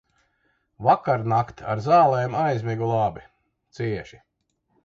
Vakarnakt ar zālēm aizmigu labi, cieši.